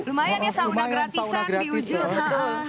lumayan ya sauna gratisan di ujung